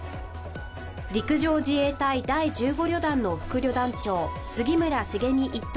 陸上自衛隊第１５旅団の副旅団長、杉村繁実一等